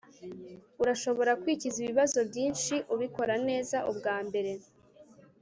Urashobora kwikiza ibibazo byinshi ubikora neza ubwambere